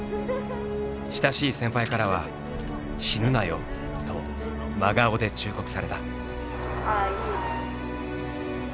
親しい先輩からは「死ぬなよ」と真顔で忠告された。